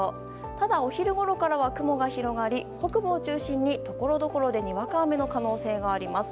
ただ、お昼ごろからは雲が広がり北部を中心に、ところどころでにわか雨の可能性があります。